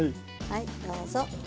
はいどうぞ。